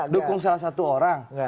dukung salah satu orang